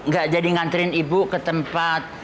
gak jadi nganterin ibu ke tempat